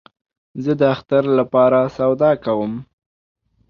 زه د اختر له پاره سودا کوم